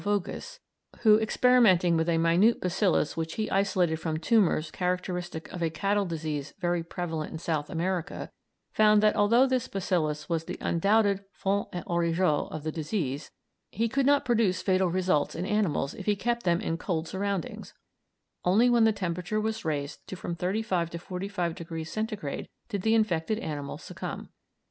Voges, who, experimenting with a minute bacillus which he isolated from tumours characteristic of a cattle disease very prevalent in South America, found that although this bacillus was the undoubted fons et origo of the disease, he could not produce fatal results in animals if he kept them in cold surroundings; only when the temperature was raised to from 35 45 degrees Centigrade did the infected animals succumb.